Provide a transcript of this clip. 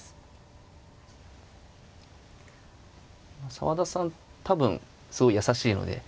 澤田さん多分すごい優しいので。